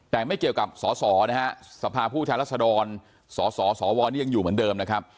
แต่ไม่เกี่ยวกับสอสอนะฮะสภาพผู้แทนรัศดรสสสวนี่ยังอยู่เหมือนเดิมนะครับ